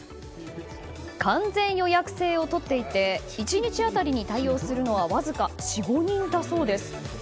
完全予約制をとっていて１日当たりに対応するのはわずか４５人だそうです。